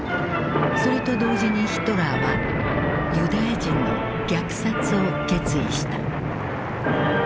それと同時にヒトラーはユダヤ人の虐殺を決意した。